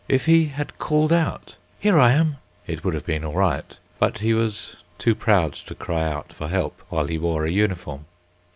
If he had called out, "Here I am," it would have been all right, but he was too proud to cry out for help while he wore a uniform.